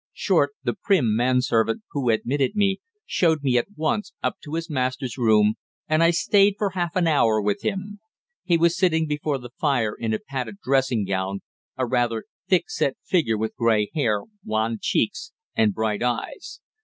Short, the prim manservant, who admitted me, showed me at once up to his master's room, and I stayed for half an hour with him. He was sitting before the fire in a padded dressing gown, a rather thick set figure with grey hair, wan cheeks, and bright eyes.